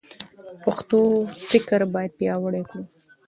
پښتو فکر باید پیاوړی کړو.